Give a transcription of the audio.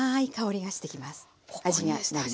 味がなります。